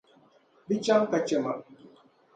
Di chaŋ ka chɛma.